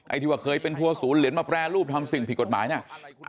ที่ว่าเคยเป็นทัวร์ศูนย์เหรียญมาแปรรูปทำสิ่งผิดกฎหมายเนี่ย